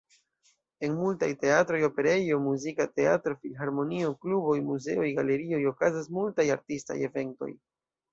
En multaj teatroj, operejo, muzika teatro, filharmonio, kluboj, muzeoj, galerioj, okazas multaj artistaj eventoj.